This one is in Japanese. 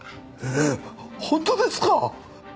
ええっ本当ですか！？